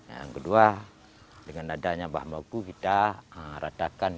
yang kedua dengan adanya bahan baku kita ratakan